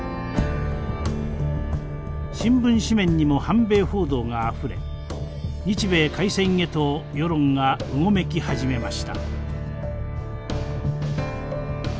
新聞紙面にも反米報道があふれ日米開戦へと世論がうごめき始めました。